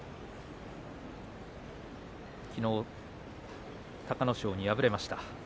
きのう隆の勝に敗れました。